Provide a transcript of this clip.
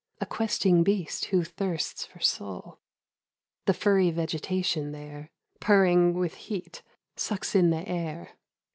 A questing beast who thirsts for soul, The furry vegetation there — Purring with heat, sucks in the air.